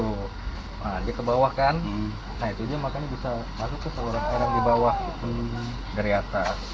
nah dia ke bawah kan nah itu dia makanya bisa masuk ke saluran air di bawah itu dari atas